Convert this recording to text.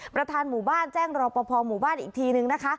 ประธานหมู่บ้านแจ้งรอปภหมู่บ้านอีกทีนึงนะคะ